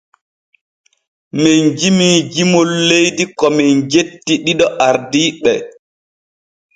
Men jimii jimol leydi ko men jetti ɗiɗo ardiiɓe.